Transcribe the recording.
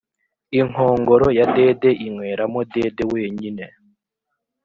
Inkongoro yadede inywera mo dede wenyine.